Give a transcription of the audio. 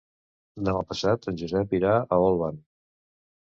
Demà passat en Josep irà a Olvan.